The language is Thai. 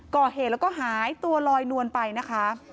ก่อเหตุแล้วก็หายตัวลอยนวลไปนะคะ